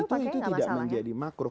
itu tidak masalah itu tidak menjadi makruh